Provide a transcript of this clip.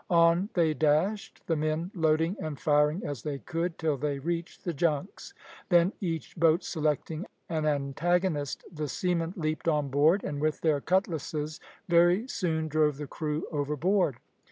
On they dashed, the men loading and firing as they could, till they reached the junks. Then, each boat selecting an antagonist, the seamen leaped on board, and with their cutlasses very soon drove the crew overboard.